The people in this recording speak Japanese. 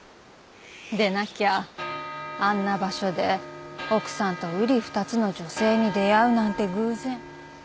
でなきゃあんな場所で奥さんとうり二つの女性に出会うなんて偶然あるはずない。